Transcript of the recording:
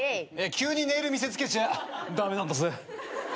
急にネイル見せつけちゃ駄目なんだぜ。